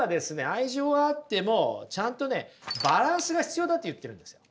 愛情はあってもちゃんとねバランスが必要だって言ってるんですよ。